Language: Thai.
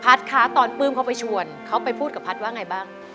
คะตอนปื้มเขาไปชวนเขาไปพูดกับพัฒน์ว่าไงบ้าง